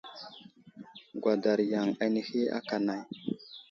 Gwadar yaŋ anehi aka nay.